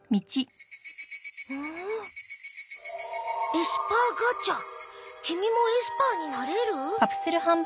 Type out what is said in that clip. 「エスパーガチャきみもエスパーになれる！！！」？